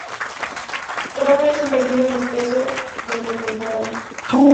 Roma, en un partido amistoso de pretemporada.